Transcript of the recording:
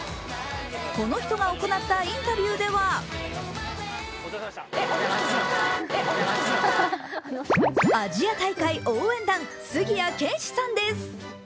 この人が行ったインタビューではアジア大会応援団、杉谷拳士さんです。